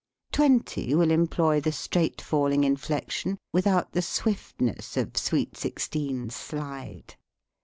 Twenty will employ the straight falling inflection without the swiftness of Sweet Sixteen's slide.